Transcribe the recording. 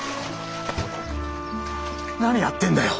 何やってんだよ。